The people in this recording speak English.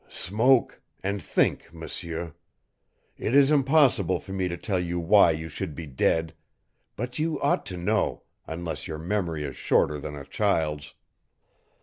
"Smoke and think, M'seur. It is impossible for me to tell you why you should be dead but you ought to know, unless your memory is shorter than a child's."